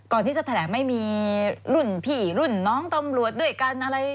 ก่อนที่จะแถลงไม่มีรุ่นพี่รุ่นน้องตำรวจด้วยกันอะไร